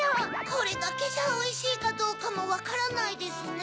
これだけじゃおいしいかどうかもわからないですね。